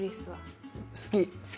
好き？